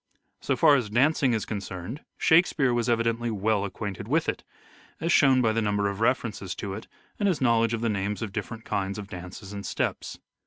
So far as dancing is concerned, " Shakespeare " was evidently well acquainted with it, as shown by the number of references to it and his knowledge of the names of different kinds of dances and steps.